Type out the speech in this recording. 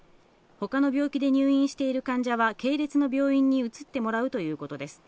他の病気で入院している患者は系列の病院に移ってもらうということです。